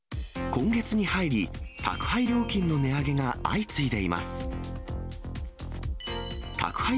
今月に入り、宅配料金の値上げが相次いでいます。